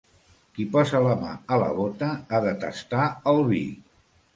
Qui posa la mà a la bota ha de tastar el vi.